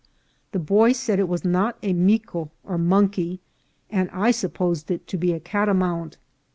The boy said it was not a mico or monkey, and I supposed it to be a catamount.